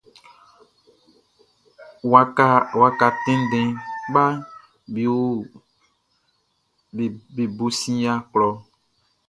Waka tɛnndɛn kpaʼm be bo sin yia klɔʼn.